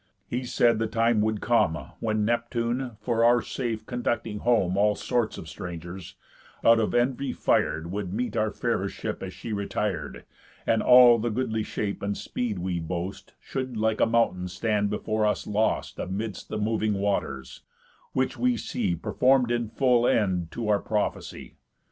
He said, the time would come, When Neptune, for our safe conducting home All sorts of strangers, out of envy fir'd, Would meet our fairest ship as she retir'd, And all the goodly shape and speed we boast Should like a mountain stand before us lost Amids the moving waters; which we see Perform'd in full end to our prophecy.